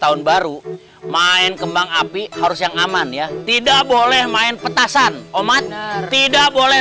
tahun baru main kembang api harus yang aman ya tidak boleh main petasan umat tidak boleh